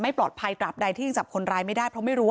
ชาวบ้านในพื้นที่บอกว่าปกติผู้ตายเขาก็อยู่กับสามีแล้วก็ลูกสองคนนะฮะ